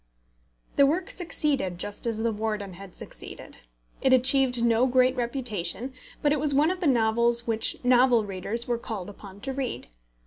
The work succeeded just as The Warden had succeeded. It achieved no great reputation, but it was one of the novels which novel readers were called upon to read.